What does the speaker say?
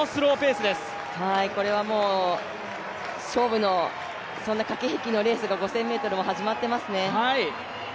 これはもう勝負の駆け引きのレースが５０００ｍも始まってますね。